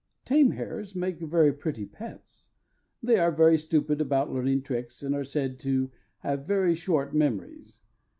Tame hares make very pretty pets. They are very stupid about learning tricks, and are said to have very short memories.